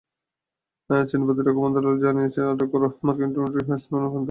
চীনের প্রতিরক্ষা মন্ত্রণালয় জানিয়েছে, আটক করা মার্কিন ড্রোনটি যথাযথ পন্থায় ফেরত দেওয়া হবে।